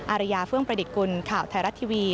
อารยาเฟื่องประดิษฐ์กุลข่าวไทยรัฐทีวี